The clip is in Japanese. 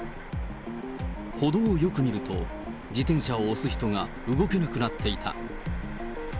歩道をよく見ると、自転車を押す人が動けなくなっていた。